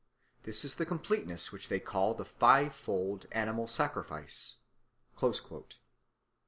This is the completeness which they call the fivefold animal sacrifice."